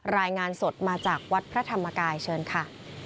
รายงานสดมาจากวัดพระธรรมกายเชิญค่ะ